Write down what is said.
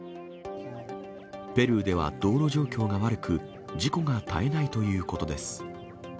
ペルーでは道路状況が悪く、事故が絶えないということです。